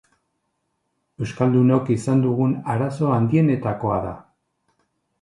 Euskaldunok izan dugun arazo handienetakoa da.